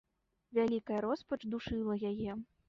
Вялікая роспач душыла яе.